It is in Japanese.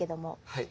はい。